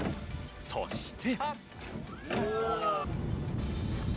そして。